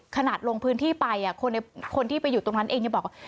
ขนาดลงพื้นที่ไปคนที่ไปอยู่ตรงนั้นเองจะบอก